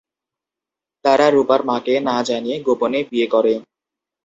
তারা রুপার মাকে না জানিয়ে গোপনে বিয়ে করে।